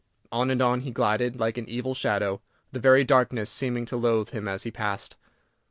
On and on he glided, like an evil shadow, the very darkness seeming to loathe him as he passed.